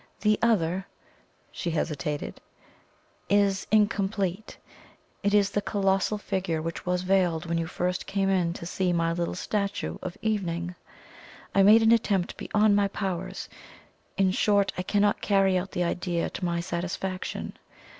The other" she hesitated "is incomplete. It is the colossal figure which was veiled when you first came in to see my little statue of 'Evening'. I made an attempt beyond my powers in short, I cannot carry out the idea to my satisfaction.